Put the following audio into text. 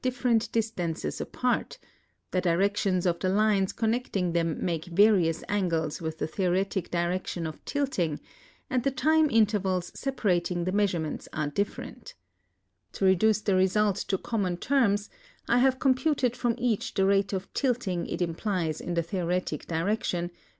RICAT LAKFS l'4,} The stations of tlie several pairs are at diftcront distances apart, the directions of the lines connecting tiiein make various angles with the theoretic direction of tilting, and the time intervals separating the measurements are ditVerent. To reduce the results to common terms I have computed from each the rate of tilting it implies in the theoretic direction, S.